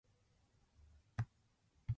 朝ごはんはパンを食べました。